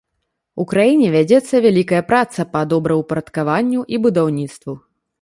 У краіне вядзецца вялікая праца па добраўпарадкаванню і будаўніцтву.